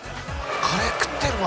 カレー食ってるわ。